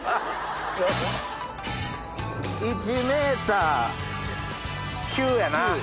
１ｍ９やな。